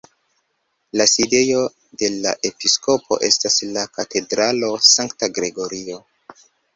La sidejo de la episkopo estas la katedralo Sankta Gregorio.